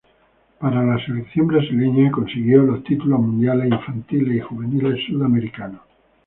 Para la selección brasileña, consiguió los títulos mundiales infantiles y juveniles sudamericanos.